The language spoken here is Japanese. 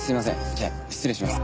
じゃあ失礼します。